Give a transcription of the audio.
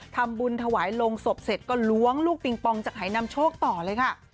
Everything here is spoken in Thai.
ทำบุญถวายลงศพเสร็จก็ล้วงลูกปิงปองจากหายนำโชคต่อเลยค่ะ